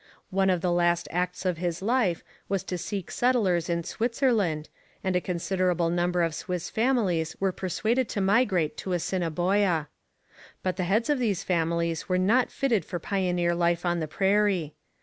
One of the last acts of his life was to seek settlers in Switzerland, and a considerable number of Swiss families were persuaded to migrate to Assiniboia. But the heads of these families were not fitted for pioneer life on the prairie.